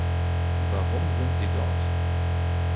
Warum sind Sie dort?